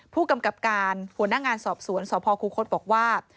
ผู้กำกับการหัวหน้างานสอบสวนสพคูคศบอกว่า